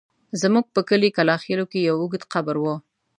زموږ په کلي کلاخېلو کې يو اوږد قبر و.